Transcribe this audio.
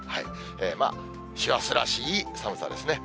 まあ、師走らしい寒さですね。